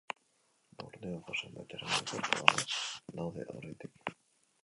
Borneoko zenbait eremu ikertu gabe daude oraindik.